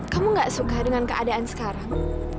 kamu gak suka dengan keadaan sekarang